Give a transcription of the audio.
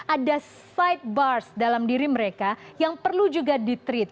ada sidebar dalam diri mereka yang perlu juga di treat